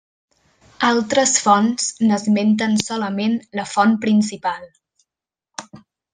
Altres fonts n'esmenten solament la font principal.